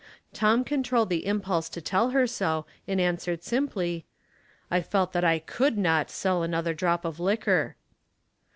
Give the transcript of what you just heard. Tom controlled the impulse to tell her so, and answered simply, —'' I felt that I could not sell another drop of liquor."